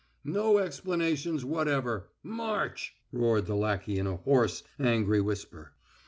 "No explanations whatever! March!" roared the lackey in a hoarse, angry whisper.